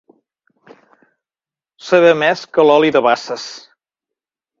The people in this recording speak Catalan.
Saber més que l'oli de basses.